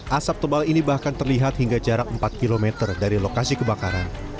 asap tebal ini bahkan terlihat hingga jarak empat km dari lokasi kebakaran